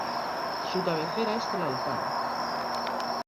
Su cabecera es Tlalpan.